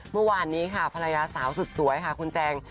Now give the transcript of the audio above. เมื่อวานนี้ค่ะภรรยาสาวสุดสวยค่ะคุณแจง